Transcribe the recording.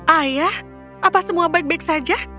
ayah apa semua baik baik saja